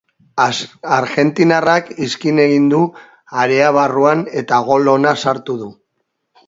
Argentinarrak izkin egin du area barruan eta gol ona sartu du.